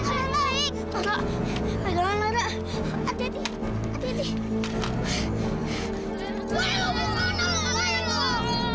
eh jangan digoyang goyangin